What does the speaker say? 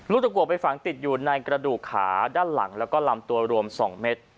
ตะกัวไปฝังติดอยู่ในกระดูกขาด้านหลังแล้วก็ลำตัวรวม๒เม็ด